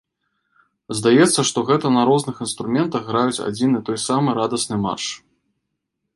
Здаецца, што гэта на розных інструментах граюць адзін і той самы радасны марш.